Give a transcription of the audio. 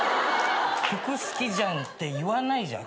「服好きじゃん？」って言わないじゃん。